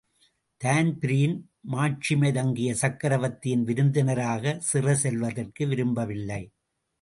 Dan Breen மாட்சிமை தங்கிய சக்கரவர்த்தியின் விருந்தினராகச் சிறைசெல்வதற்கு விரும்பவில்லை.